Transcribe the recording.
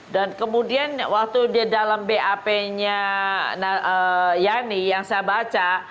dan kemudian waktu di dalam bap nya yani yang saya baca